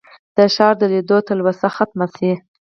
د ښار د لیدو تلوسه ختمه شي.